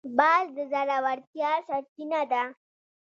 باز د زړورتیا سرچینه ده